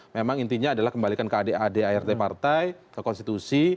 memang intinya adalah kembalikan ke adik adik art partai ke konstitusi